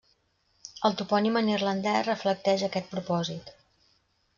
El topònim en irlandès reflecteix aquest propòsit.